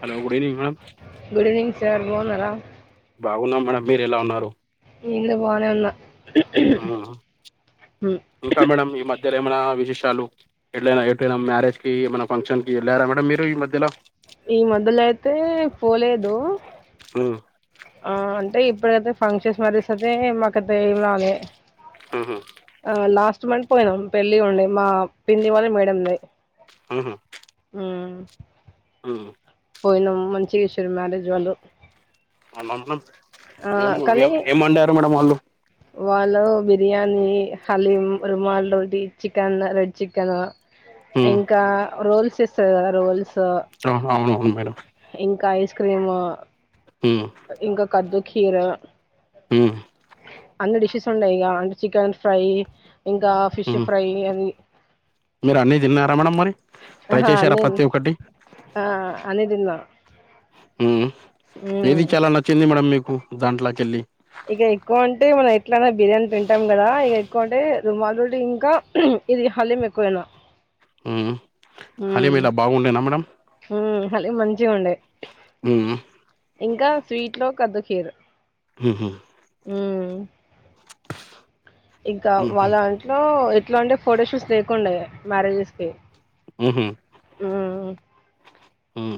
Hello good evening ma'am good evening sir బావున్నారా బాగున్నాం madam మీరు ఎలా ఉన్నారు నేను కూడా బానే ఉన్నా ఆ ఇంకా మేడం ఈ మద్ ఈ మధ్యలో ఏమన్నా విశేషాలు ఎట్లయినా ఎటైనా మ్యారేజ్కి ఏమైనా ఫంక్షన్కి వెళ్ళారా మేడం మీరు ఈ మధ్యలో. ఈ మద్యలో అయితే పోలేదు ఉ ఆ అంటే ఇప్పుటికైతే ఫంక్షన్స్ మ్యారేజెస్ అయితే మాకైతే ఏమి రాలే. ఉహు ఆ లాస్ట్ మంత్ పోయినాం పెళ్ళి ఉండి మా పిన్ని వాళ్ళ మేడంది. ఉ ఉ పోయినమ్ మంచి చేసారు మ్యారేజ్ వాళ్ళు అవునా మేడం ఆ, కానీ ఏం ఏం వండారు మేడం వాళ్ళు వాళ్ళు బిర్యానీ హలీం రుమాల్డోది చికెన్ రెడ్ చికెను ఉమ్ ఇంకా రోల్స్ ఇస్తదిగా రోల్స్ ఆహా అవును అవును మేడం క్రీమా ఉమ్ ఇంకా కద్దు కీర ఉమ్ అన్ని డిషెస్ ఉన్నాయి ఇక అంటే చికెన్ ఫ్రై ఇంకా ఫిష్ ఉమ్ ఫ్రై అది మీరు అన్నీ తిన్నారా మేడం మరి, ట్రై ఆహా చేసారా అన్ని ప్రతి ఒకటి. ఆ తిన్నా మ్ ఉమ్ ఏది చాలా నచ్చింది మేడమ్ మీకు దాంట్లోకెళ్ళి ఇక ఎక్కువ అంటే మనం ఎట్లానే బిర్యానీ తింటాం కదా ఇక ఎక్కువ అంటే మళోడి ఇంకా ఇది హలీమ్ ఎక్కువైనా మ్ హలీమ్ మీద బాగుండేనా మేడం హ్మ్ హలీమ్ మంచిగా ఉండే మ్ ఇంకా స్వీట్ లో కద్దుకీరు హు హూ మ్ ఇంకా ఉహు వాళ్ళ ఇంట్లో ఎట్లా అంటే ఫోటో షూట్స్ లేకుండ మ్యారేజెస్ కి మ్ హూ ఉమ్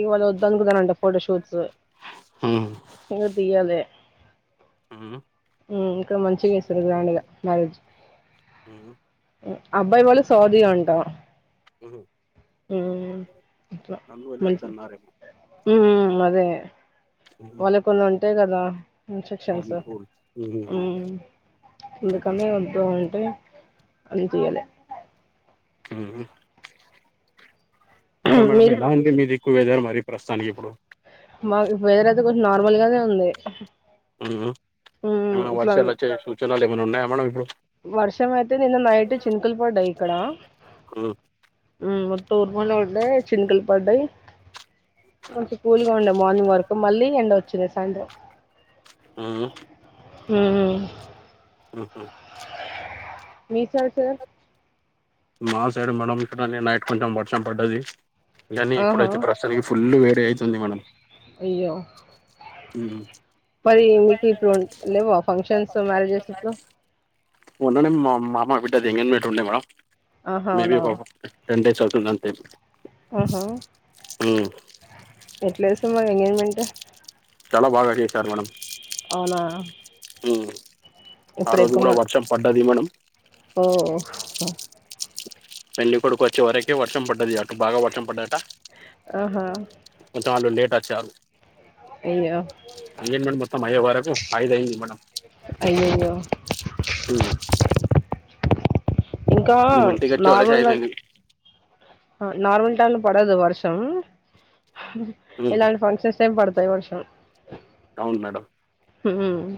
ఇవాళ వద్దనుకున్నారంట ఫోటోషూట్స్ ఉమ్ నువ్వు తీయవే ఉమ్ ఇంకా మంచిగా చేస్తారు గ్రాండ్గా మ్యారేజ్ ఉమ్ అబ్బాయి వాళ్ళు సౌదీ అంట ఉహు అట్లా అందువల్లే మంచి వద్దన్నారేమో మ్ అదే వాళ్ళకి కొన్ని ఉంటాయి కదా ఇన్ఫెక్షన్స్ బాగుంది కూల్ అందుకని వద్దు అంటే అది చేయలా ఇంకా మేడం మీరు ఎలా ఉంది మీదిక్కు వెదర్ మరి ప్రస్తుతానికి ఇప్పుడు మా వెదర్ అయితే కొంచం నార్మల్ గానే ఉంది. మ్ ఏమైనా ఇట్లా వర్షాలు వచ్చే సూచనలు ఏమైనా ఉన్నాయా మేడమ్ ఇప్పుడు వర్షం అయితే నిన్న నైటే చినుకులు పడ్డాయి ఇక్కడ మ్ తూర్పన ఉండే చినుకులు పడ్డాయి ఆ స్కూల్ మార్నింగ్ వరకు మళ్ళీ ఎండ వచ్చింది సాయంత్రం. మ్ మ్ హు హు మీ సైడ్ సార్ మా సైడ్ మేడం ఇక్కడ నేను నైట్ కొంచెం వర్షం పడ్డది ఇనీ ఆహా ఇప్పుడైతే ప్రస్తుతానికి ఫుల్ వేడి అవుతుంది మేడం అయ్యో మరి మీకు ఇప్పుడు లేవా ఫంక్షన్స్ మ్యారేజెస్ ఇప్పుడు మొన్ననే మా మామ మా బిడ్డ ఎంగేజ్మెంట్ ఉండే మ్యామ్ ఆహా మే బి అవునా టెన్ డేస్ అవుతుంది అంతే ఆహా ఎట్లయింది మరి ఎంగేజ్మెంట్ చాలా బాగా చేశారు మేడం అవునా ఆ రోజు కూడా వర్షం పడ్డది మేడం. ఓఓ పెళ్ళికొడుకు వచ్చి వరకు టే వర్షం పడ్డది అటు బాగా వర్షం పడ్డదట ఆహా కొంచెం వాళ్ళు లేట్ అచ్చారు అయ్యో ఎంగేజ్మెంట్ మొత్తం అయ్యా వరకు ఐదు అయింది మేడం అయ్యయ్యో ఇంకా మేము ఇంటికి వచ్చే వరకు ఐదు నార్మల్గా అయింది నార్మల్ టైమ్ లో పడదు వర్షం ఇలాంటి ఫంక్షన్స్ టైం పడత వర్షం అవును మేడం మ్మ్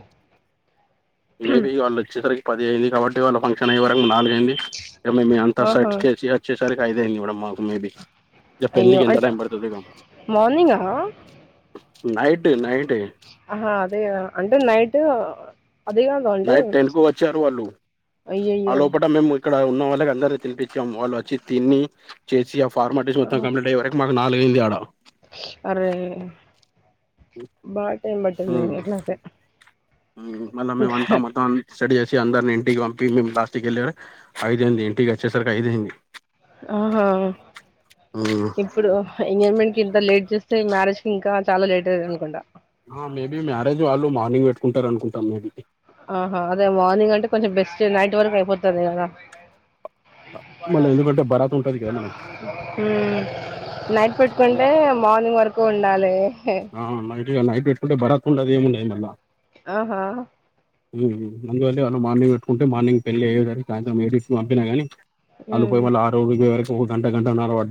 మేబి వాళ్ళు వచ్చేసరికి పది అయింది కాబట్టి వాళ్ళ ఫంక్షన్ అయెవరకు నాలుగయింది ఇక మేము అంతా ఆహా సెట్ చేసి వచ్చేసరికి ఐదు అయింది మేడం మాకు మేబి ఇగ అయ్యో పెళ్ళికి ఎంత అంటే టైం పడతది ఇగ మార్నింగా నైటు నై ఆహా అదేగద అంటే నైట్ అది కాదు అంటే నైట్ టెన్కు వచ్చారు వాళ్ళు అయ్యయ్యో ఆళ్లోపట మేము ఇక్కడ ఉన్న వాళ్ళకి అందరకి తినిపిచాం వాళ్ళు వచ్చి తిని చేసి ఆ ఫార్మాలిటీస్ మొత్తం ఆహా, కంప్లీట్ అయె వరకి మా నాలుగైంది ఆడా అరే బా టైం పటింది అట్లైతే మళ్ళ మెమంతా మొత్తం అని తీస్ సెట్ చేసి అందరిని ఇంటికి పంపి మేము లాస్ట్కీ ఐదు అయింది ఇంటికచ్చ ఆహా ఇప్పుడు ఇగ మీకింత లేట్ చేస్త సే మ్యారేజ్ కి ఇంకా చాలా లేట్ అయితది అనుకుంటా మేబీ మ్యారేజ్ వాళ్ళు మార్నింగ్ పెట్టుకుంటారు అనుకుంటా మేబీ ఆహా అదే మార్నింగ్ అంటే కొంచెం బెస్ట్ నైట్ వరకు అయిపోతది కదా మళ్ళ ఎందుకంటే భరాత్ ఉంట నైట్ పెట్టుకుంటే మార్నింగ్ వరకు ఉండాలే ఆ నైట్ ఇగ నైట్ పెట్టుకుంటే భరత్ ఉండదు ఏముండదు మల్లా ఆహా అందువలే వాళ్ళు మార్నింగ్ పెట్టుకుంటే మార్నింగ్ పెళ్లి అయేసరికి సాయంత్రం పంపినా కాని అళోపు ఉమ్ మళ్ళ ఆరో విరో వరకు ఒక గంటా గంటన్నర పడ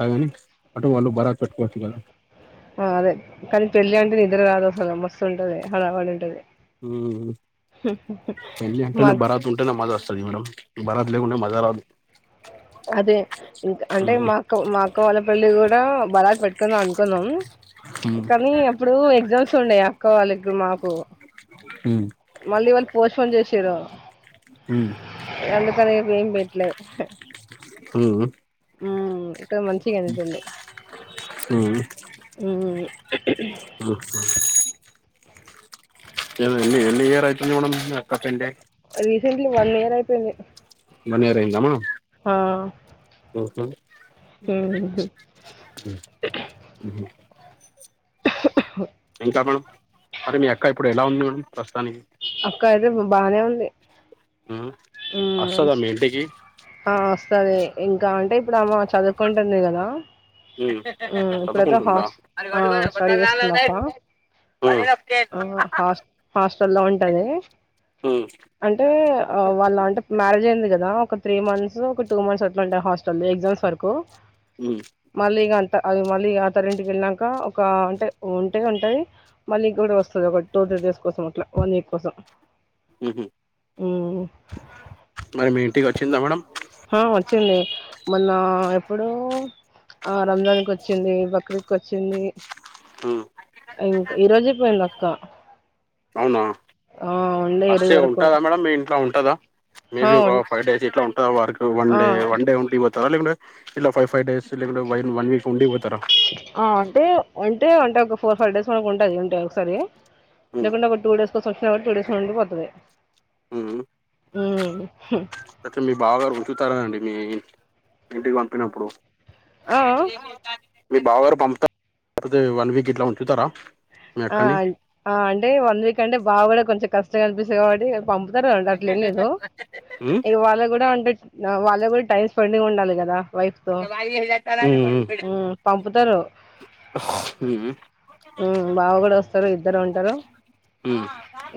ఆ అదే కానీ పెళ్ళి అంటే నిద్ర రాదు అస లు మస్తు ఉంటది హడవడి ఉంటది మ్ మా పెళ్ళంటేనే భరాత్ ఉంటేనే మజా వస్తది మేడం భరాత్ లేకుంటె మజా రాదు అదే ఇంకా అంటే మా అక్క మా అక్క వాళ్ళ పెళ్లికి కూడా భరాత్ పెట్టుకుందాం అనుకున్నాం ఉమ్ కానీ అప్పుడు ఎగ్జామ్స్ ఉండయి అక్క వాళ్ళకి మాకు మళ్ళీ వాళ్లు పోస్ట్పోన్ చేసిరు ఉమ్ అందుకని ఇగ ఏం పెట్లే ఉమ్ ఉమ్మ్ కాని మంచిగైంది పెళ్ళి ఉమ్ ఉమ్మ్ ఉమ్ ఎని ఎన్ని ఇయర్ అయ్యితుంది మేడం మీ అక్క పెళై రీసెంట్లీ వన్ ఇయర్ అయిపోయింది వన్ ఇయర్ అయిందా మ్యామ్ ఆ మ్మ్ తన్ ఇంకా మామ్ మరి మీ అక్క ఇప్పుడు ఎలా ఉంది మేడం ప్రస్తుతానికి అక్క అయితే బానే ఉంది ఉమ్ వస్తదా మీ ఇంటికి ఆ వస్తది ఇంకా అంటే ఇప్పుడు అమె చదువుకుంటుంది కదా ఉమ్ మ్ ఇప్పుడైతే చదువుకుంటుందా హాస్టల్ స్టడీ చేస్తుంది అక్క ఉమ్ ఆహ హాస్ హాస్టల్ల్లో ఉంటంది ఉమ్ అంటే ఆ వాళ్ళ అంటే మ్యారేజ్ అయింది కదా ఒక త్రీ మంత్స్ ఒక two months Atlanta hostel exams వరకు ఉమ్ మళ్ళీ ఇగా అది మళ్ళీ ఆ అత్తారింటికి వెళ్ళాక ఒక అంటే ఉంటే ఉంటది మళ్ళీ ఇ వస్తుంది ఒక టూ త డేస్ కోసం అట్లా వన్ వీక్ కోసం ఉ మ్మ్ మరి మీ ఇంటికి వచ్చిందా మేడం ఆ వచ్చింది మొన్న ఎప్పుడు ఆ రంజాన్ కి వచ్చింది బక్రీకి వచ్చింది ఉమ్ ఇంకా ఈరోజే పోయింది అక్క అవునా ఆ ఉండే ఈ రోజు అస్తే వరకు ఉంటుదా మేడమ్ మీ ఇంట్లో ఉంటదా ఆ మేబీ ఒక ఉన్ ఫైవ్ డేస్ ఇట్లా ఉంటు వక్ వన్ ఆ డే వన్ డేండి పోతా ఇలా five five days one one week ఉండి పోతారా ఆ అంటే అంటే అంటే ఒక ఫోర్ ఫైవ్ డేస్ ఉంటుది ఉంటే ఒకసారి ఉమ్ లేకుండా ఒక టూ డేస్ కో సంక్ష టూ డేస్ పోతది ఆ ఉ అయితే మీ బాగా ఉచుతారదండి మీ ఇంటికి పంపినప్పుడు ఆ మీ బావగారు పంపుతతే వన్ వీక్ ఇట్లా ఉంచుతారా మీ ఆ అక్కని అంటే వన్ వీక్ అంటే బాగా కూడా కొంచెం కష్టం కనిపిస్తంది కాబట్టి పంపుతారు కదండి అట్లే ఏం లేదు ఉమ్? ఇక వాళ్ళ కూడా ఉంట వాళ్ళ కూడా టైమ్ స్పెండ్గా ఉండాలి కదా వైఫతో ఉమ్ పంపుతారు ఉ మా బావ కూడా వస్తారు ఇద్దరు ఉంటారు ఉ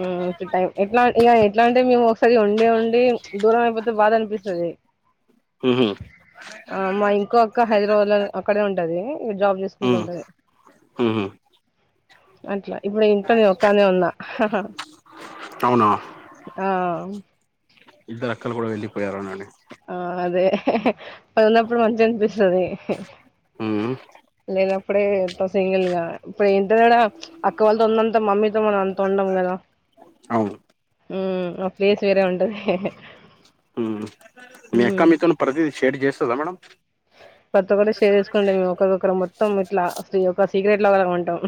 ఉమ్ టై ఎట్లా ఇ ఎట్లా అంటే మేము ఒకసారి ఉండి ఉండి దూరం అయిపోతే బాధ అనిపిస్తది ఉ ఆ మా ఇంకో అక్క హైదరాబాద్ లో అక్కడే ఉంటది జాబ్ ఉమ్, చేసుకుంటూంటది ఉమ్, ఉమ్. అట్లా ఇప్పుడు ఇంట్లో నేనొక్కన్నే ఉన్నా అవునా ఆ ఇద్దరు అక్కలు కూడా వెళ్ళలిపోయారు అన్న ఆ అదే అది ఉన్నప్పుడు మంచి అనిపిస్తది ఉమ్ లేనప్పుడే సింగిల్ గా ఇప్పుడు ఏంట త అక్క వాళ్ళతో ఉన్నంత మమ్మీతో మనం అంత ఉండం కదా అవును ఉ ఆ ప్లేస్ వేరే ఉంటదీ మీ అక్క మీతోను ప్రతి షేడ్ చేస్తదా మేడం కొత్త కూడా షేర్ చేసుకుంటం మేము ఒకరికొకరు మొత్తం ఇట్లా అయ సీక్రెట్ లోల ఉంటాం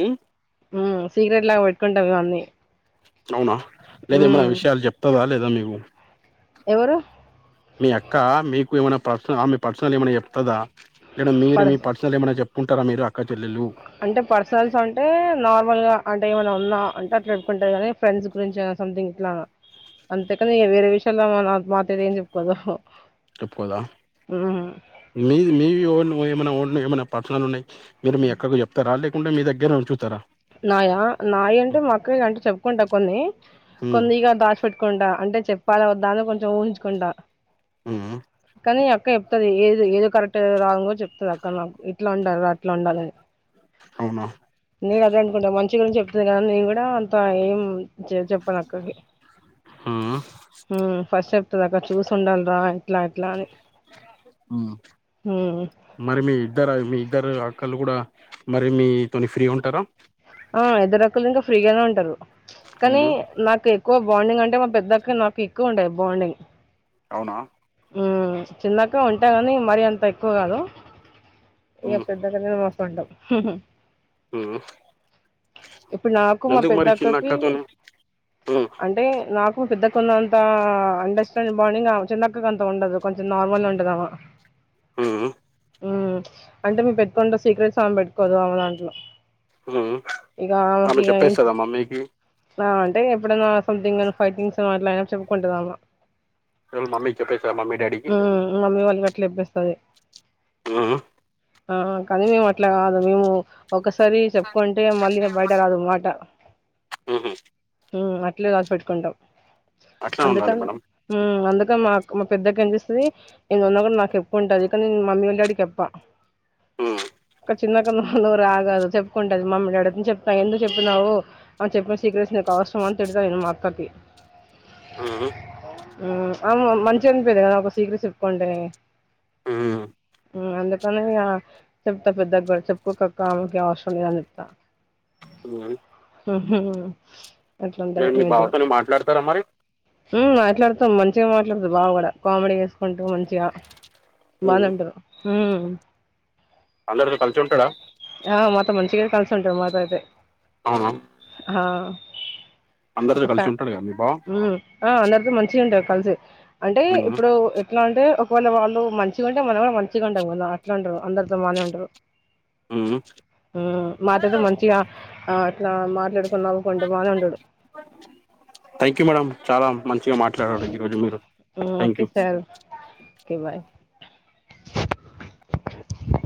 ఉమ్మ్ ఉమ్మ్ సీక్రెట్ లాగా పెట్టుకుంటావు ఇవన్నీ అవునా లేదా ఎమనా ఉమ్ విషయాలు చెప్తావా లేదా మీవు ఎవరు మీ అక్క మీకు ఏమన్నా పర్సన ఆమె పర్సనల్ ఏమన్నా చెప్తాదా లేదా మీరు పడ మీ పర్సనల్ ఏమన్నా చెప్పుకుంటారా మీరు అక్క చెల్లెలు అంటే పర్సనల్స్ అంటే నార్మల్‌గా అంటే ఏమైన్నా ఉన్నా అంటే అట్లా చెప్పుకుంటాం కానీ ఫ్రెండ్స్ గురించి సంథింగ్ ఇట్లా అంతేకని ఇక వేరే విషయాల్లో ఆమె నా మా తోటి ఏం చెప్పుకోదు చెప్పుకోదా ఉమ్ మీది మీవి ఏమనా ఏమన్నా పర్సనల్ ఉన్నాయి మీరు మీ అక్కకు చెప్తారా లేకుంటే మీ దగ్గరే ఉంచుతారా నాయా నాయి అంటే మా అక్కకి అంటే చెప్పుకుంటా కొన్ని ఉమ్ కొన్ని ఇగ దాచిపేట్టుకుంటా అంటే చెప్పాలా వద్దా అని కొంచెం ఊహించుకుంటా ఉమ్మ్ కానీ అక్క చెప్తాది ఏది ఏది కరెక్టో రాంగో చెప్తాది అక్క నాకు ఇట్లా ఉండాలిరా అట్లా ఉండాలని అవునా నేను అదే అనుకుంటా మంచి గురించి చెప్తుంది కదని నేను కూడా అంత ఏం చె చెప్పను అక్కకి ఉమ్ ఉమ్మ్ ఫస్ట్ చె ప్తాది అక్క చూసి ఉండాలిరా ఇట్లా ఇట్లా అని ఉహ్మ్మ్ హ్మ్. మరి మీ ఇద్దరు మీ ఇద్దరు అక్కళ్ళు కూడా మరి మీతోని ఫ్రీ ఉంటారా ఆ ఇద్దరు అక్కలు ఇంకా ఫ్రీగానే ఉంటారు కానీ ఉమ్ నాకే క్కువ బాండింగ్ అంటే మా పెద్ద నాకు ఎక్కువ ఉంటది బాండింగ్ అవునా ఉమ్మ్ చిన్నక్క ఉంటది కానీ మరీ అంత ఎక్కువ కాదు ఇంక ఉమ్ పెద్దక్కతోని ఉంటాం ఉమ్మ్ ఇప్పుడు నాకు మా పెద్దక్కకి అక్కతోని ఉమ్ అంటే నాకు పెద్దక్క కున్నంత అండర్స్టాండింగ్ బాండింగ్ అమే చిన్నక్కకు అంత ఉండదు కొంచెం నార్మల్ ఉంటదామే ఉమ్మ్ ఉమ్మ్ అంటే మెం పెట్టుకుంటే సీక్రెట్స్ ఆమె పెట్టుకోదు ఆమె దాంట్లో ఉమ్మ్ ఇక ఆమెకి అమె ఇగ ఏం చెప్పేస్తాదా మమ్మీకి ఆ అంటే ఎప్పుడైనా సంథింగ్ ఫైటింగ్స్ అట్లా అయినాప్పుడు చెప్పుకుంటదామె హాల్ మమ్మీ డాడీకి ఉహ్మ్ మమ్మీ వాళ్ళకి అట్లా చెప్పేస్తాది ఉమ్ ఆ కానీ మేము అట్లా కాదు మేము ఒక సరి చెప్పుకుంటే మళ్ళీ ఇక బయటరాదు మాట ఉహు ఉమ్మ్ అట్లే దాచి పెట్టుకుంటాం అట్లా ఉండాలి అందుకని మేడం ఉమ్మ్ అందుకని మా మా పెద్దక్క ఎంచేస్తాది ఎన్నిఉన్నా కూడా నాకు చెప్పుకుంటది కానీ నేను మమ్మీ వాళ్ల డాడీకి చెప్ప ఉమ్ [inaudible] క చిన్నక్క నోరు ఆగదు చెప్పుకుంటది మమ్మి డాడి తోన చెప్తా ఎందుకు చెప్తున్నావు అ చెప్పిన సీక్రెట్ నికు అవసరామని తిడతా నేను మా అక్కకి ఉమ్ ఉమ్మ్ ఆమె మం మంచిగనిపియదు కదా ఒకరి సీక్రెట్స్ చెప్పుకుంటే ఉమ్మ్ ఉమ్మ్ అందుకని ఇంగ చెప్తా పెద్దక్క కూడా చెప్పుకోకక్క ఆమెకి అవసరం లేదని చెప్తా ఉమ్మ్ ఉహు అట్లుంటది మీరు మీ మీతో బావతోని మాట్లాడతారా మరి మ్మ్ అట్లుం తం మంచిగా మాట్లాడుతడు బావా కూడా కామెడీ చేసుకుంటూ మంచిగా బానే ఉంటరు ఊమ్ అందరిని కలిసి ఉంటాడా కల్సుంటరు మాతో అయితే అవునా ఆ ఒక అందరితో ఫ్యా కలిసి ఉంటాడు కదా మీ బావ మ్మ్ ఆ అందరితో మంచిగుంటరు కలిసి అంటే ఇప్పుడు ఎట్లా అంటే ఒకవేళ వాళ్ళు మంచిగా ఉంటే మనం కూడా మంచిగుంటాం కదా అట్లా అంటారు అందరితో బానే ఉంటరు. మ్మ్ మాతైతే మంచిగా ఆ అట్లా మాట్లాడు నవ్వుకుంటూ బానే ఉంటాడు థ్యాంక్ యూ మేడం చాలా మంచిగా మాట్లాడడు ఈ రోజు మీరు మ్మ్ thank okay you sir okay bye